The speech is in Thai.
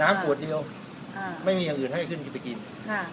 ขวดเดียวค่ะไม่มีอย่างอื่นให้ขึ้นไปกินค่ะ